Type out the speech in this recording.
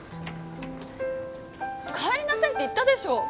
帰りなさいって言ったでしょ。